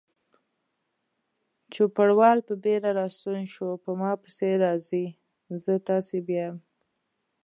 چوپړوال په بیړه راستون شو: په ما پسې راځئ، زه تاسې بیایم.